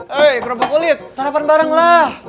hei kerupuk kulit sarapan bareng lah